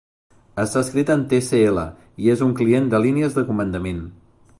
Està escrit en Tcl, i és un client de línies de comandament.